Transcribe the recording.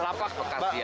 lapak bekas ya